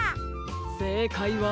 せいかいは。